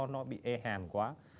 nó bị e hàn quá